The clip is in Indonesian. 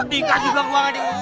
dika juga kemana mana udah